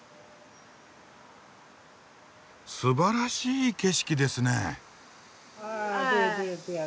すばらしい景色ですねえ。